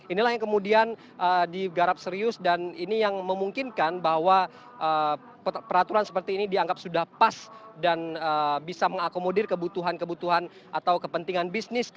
inilah yang kemudian digarap serius dan ini yang memungkinkan bahwa peraturan seperti ini dianggap sudah pas dan bisa mengakomodir kebutuhan kebutuhan atau kepentingan bisnis